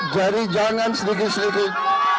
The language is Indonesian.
jadi jangan sedikit sedikit